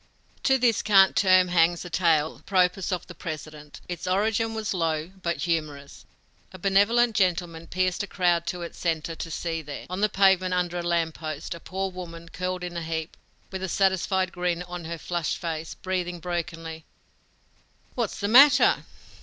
To this cant term hangs a tale apropos of the President. Its origin was low, but humorous. A benevolent gentleman pierced a crowd to its center to see there, on the pavement under a lamp post, a poor woman, curled in a heap, with a satisfied grin on her flushed face, breathing brokenly. "What's the matter?"